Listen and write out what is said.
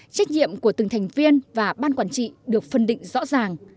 trách nhiệm của từng thành viên và ban quản trị được phân định rõ ràng